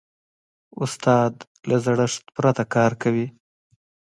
استاد له زړښت پرته کار کوي.